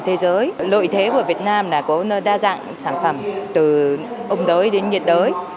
thế giới lợi thế của việt nam là có đa dạng sản phẩm từ ông đới đến nhiệt đới